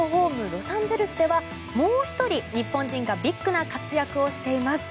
ロサンゼルスではもう１人、日本人がビッグな活躍をしています。